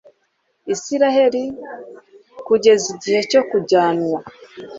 isirayeli kugeza igihe cyo kujyanwa